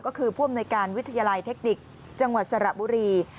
ก็คือผู้อำนวยการวิทยาลัยเทคนิคจังหวัดสระบุรี